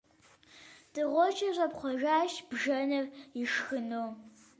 Дыгъужьыр щӀэпхъуащ, бжэныр ишхыну.